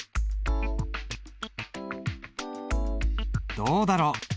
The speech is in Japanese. どうだろう。